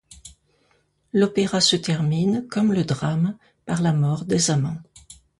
L'opéra se termine, comme le drame, par la mort des amants.